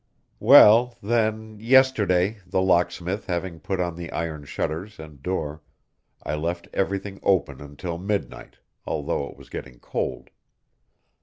Well, then, yesterday the locksmith having put on the iron shutters and door, I left everything open until midnight, although it was getting cold.